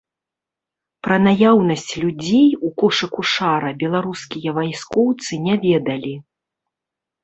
Пра наяўнасць людзей у кошыку шара беларускія вайскоўцы не ведалі.